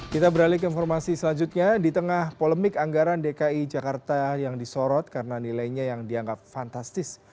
kita beralih ke informasi selanjutnya di tengah polemik anggaran dki jakarta yang disorot karena nilainya yang dianggap fantastis